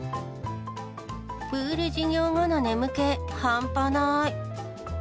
プール授業後の眠気半端ない。